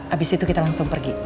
habis itu kita langsung pergi